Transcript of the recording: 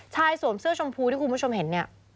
ชายสวมเสื้อชมพูที่คุณผู้ชมเห็น